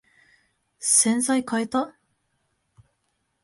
洗剤かえた？